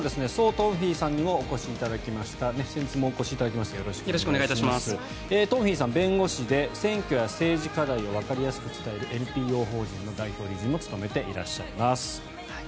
トンフィさん、弁護士で選挙や政治課題をわかりやすく伝えるＮＰＯ法人の代表理事も務めていらっしゃいます。